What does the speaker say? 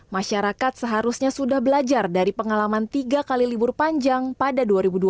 masyarakat seharusnya sudah belajar dari pengalaman tiga kali libur panjang pada dua ribu dua puluh